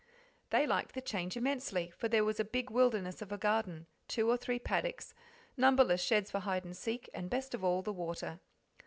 They liked the change immensely; for there was a big wilderness of a garden, two or three paddocks, numberless sheds for hide and seek, and, best of all, the water.